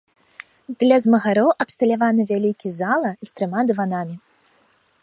Для змагароў абсталяваны вялікі зала з трыма дыванамі.